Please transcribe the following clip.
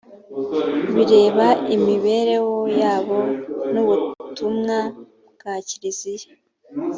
bireba imibereho yabo n’ubutumwa bwa kiliziya